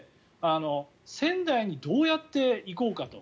仙台にどうやって行こうかと。